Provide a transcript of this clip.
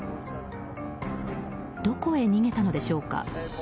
どこへ逃げたのでしょうか。